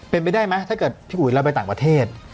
เป็นไปได้ไหมถ้าเกิดพี่อุ๋ยเราไปต่างประเทศ